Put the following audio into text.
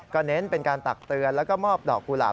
เน้นเป็นการตักเตือนแล้วก็มอบดอกกุหลาบ